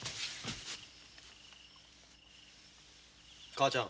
母ちゃん。